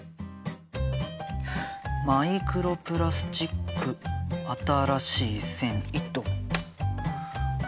マイクロプラスチック新しい繊維っと。